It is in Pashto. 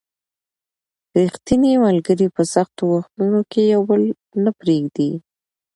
ریښتیني ملګري په سختو وختونو کې یو بل نه پرېږدي